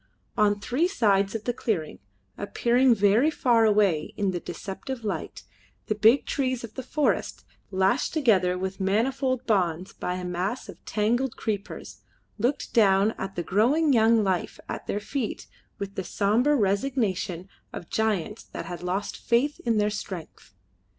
On three sides of the clearing, appearing very far away in the deceptive light, the big trees of the forest, lashed together with manifold bonds by a mass of tangled creepers, looked down at the growing young life at their feet with the sombre resignation of giants that had lost faith in their strength.